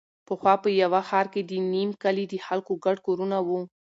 پخوا په یوه ښاره کې د نیم کلي د خلکو ګډ کورونه وو.